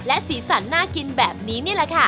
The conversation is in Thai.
สีสันน่ากินแบบนี้นี่แหละค่ะ